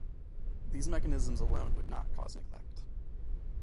These mechanisms alone would not cause neglect.